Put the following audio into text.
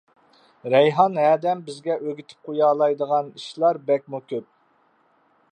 رەيھان ھەدەم بىزگە ئۆگىتىپ قويالايدىغان ئىشلار بەكمۇ كۆپ.